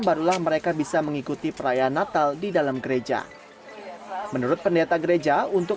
barulah mereka bisa mengikuti perayaan natal di dalam gereja menurut pendeta gereja untuk